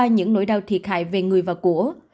những nỗi đau thiệt hại về người và của